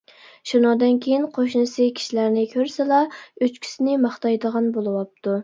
شۇنىڭدىن كېيىن قوشنىسى كىشىلەرنى كۆرسىلا ئۆچكىسىنى ماختايدىغان بولۇۋاپتۇ.